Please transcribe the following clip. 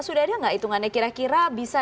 sudah ada nggak hitungannya kira kira bisa